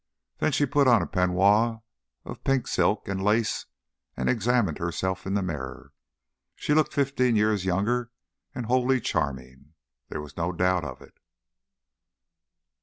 Then she put on a peignoir of pink silk and lace and examined herself in the mirror. She looked fifteen years younger and wholly charming; there was no doubt of it.